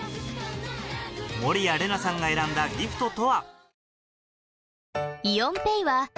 守屋麗奈さんが選んだギフトとは？